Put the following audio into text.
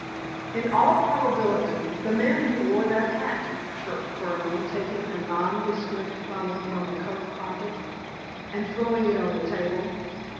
"In all probability, the man who wore that hat," chirped Furneaux, taking a nondescript bundle from a coat pocket, and throwing it on the table.